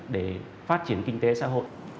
để phát triển kinh tế xã hội